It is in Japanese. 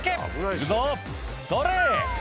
「いくぞそれ！」